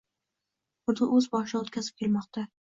buni o‘z boshidan o‘tkazib kelmoqda.